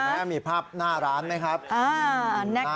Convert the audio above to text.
คุณแม่มีภาพหน้าร้านไหมครับอ่านะครับ